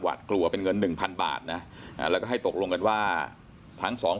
ถ้าแบบนั้นเลยมันจะเตรียมมันกับทุกอย่าง